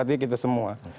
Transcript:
artinya kita semua